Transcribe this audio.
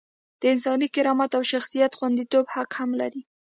د انساني کرامت او شخصیت خونديتوب حق هم لري.